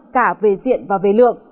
giảm về diện và về lượng